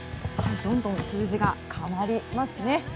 どんどん数字が変わりますね。